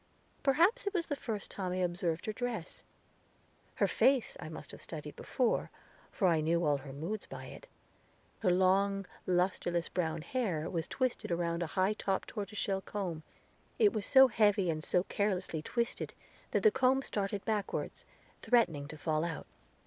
Perhaps it was the first time I observed her dress; her face I must have studied before, for I knew all her moods by it. Her long, lusterless, brown hair was twisted around a high topped tortoise shell comb; it was so heavy and so carelessly twisted that the comb started backward, threatening to fall out.